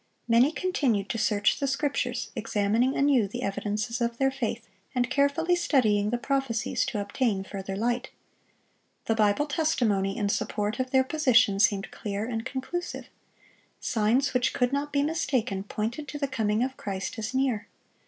Many continued to search the Scriptures, examining anew the evidences of their faith, and carefully studying the prophecies to obtain further light. The Bible testimony in support of their position seemed clear and conclusive. Signs which could not be mistaken pointed to the coming of Christ as near.